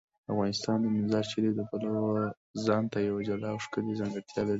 افغانستان د مزارشریف د پلوه ځانته یوه جلا او ښکلې ځانګړتیا لري.